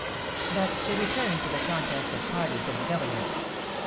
But to return to the contest of parties in the govern ment.